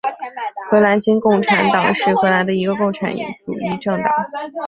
荷兰新共产党是荷兰的一个共产主义政党。